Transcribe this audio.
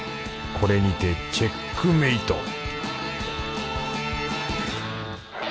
これにてチェックメイト